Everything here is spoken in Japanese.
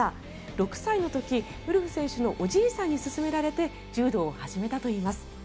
６歳の時、ウルフ選手のおじいさんに勧められて柔道を始めたといいます。